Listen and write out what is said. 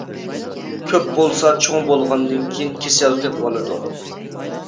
كۆپ بولسا چوڭ بولغاندىن كېيىن كېسەل تېپىۋالىدۇ.